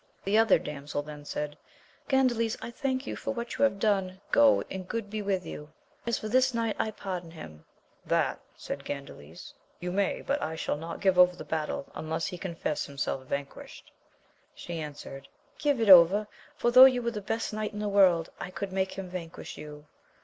The other damsel then said, Gandales I thank you for what you have done, go and good be with you ! as for this knight, I pardon him. That, said Gandales, you may ; but I shall not give over the battle, unless he confess himself vanquished. She answered. Give it over, for though you were the best knight in the world, I could make him vanquish you.